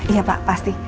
iya pak pasti